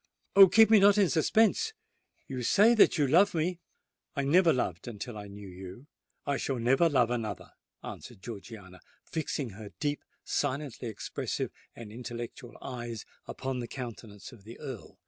Oh! keep me not in suspense! You say that you love me——" "I never loved until I knew you—I shall never love another," answered Georgiana, fixing her deep, silently expressive, and intellectual eyes upon the countenance of the Earl.